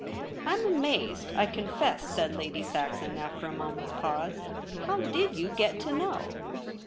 ' I am amazed, I confess,' said Lady Saxon, after a moment's pause. ' How did you get to know